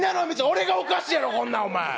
俺がおかしいやろ、こんなん。